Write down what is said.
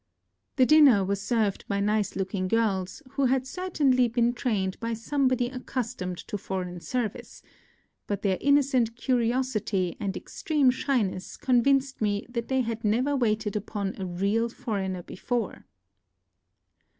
The dinner was served by nice looking girls, who had certainly been NOTES OF A TRIP TO KYOTO 53 trained by somebody accustomed to foreign service ; but their innocent curiosity and ex treme shyness convinced me that they had never waited upon a real foreigner before.